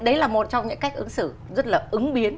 đấy là một trong những cách ứng xử rất là ứng biến